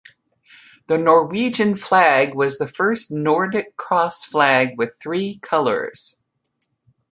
The Norwegian flag was the first Nordic cross flag with three colours.